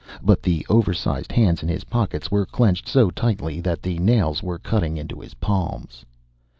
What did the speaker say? But the oversized hands in his pockets were clenched so tightly that the nails were cutting into his palms.